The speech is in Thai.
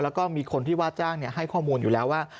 แล้วก็มีคนที่ว่าจ้างให้ข้อมูลอยู่แล้วว่า